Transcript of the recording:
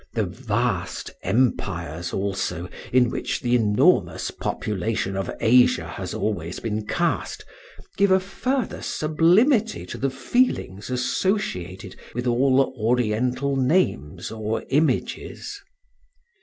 The vast empires also in which the enormous population of Asia has always been cast, give a further sublimity to the feelings associated with all Oriental names or images.